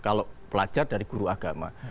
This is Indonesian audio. kalau pelajar dari guru agama